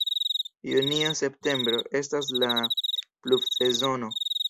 Junio-septembro estas la pluvsezono.